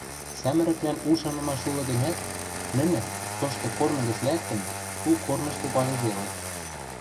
Сӓмӹрӹквлӓн у шанымаш улы гӹнят, нӹнӹ, тошты корны гӹц лӓктӹн, у корныш попазыделыт.